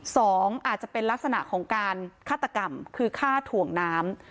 สองอาจจะเป็นลักษณะของการฆาตกรรมคือฆ่าถ่วงน้ำ